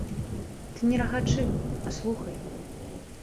Ты не рагачы, а слухай.